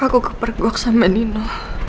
aku kepergok sama nino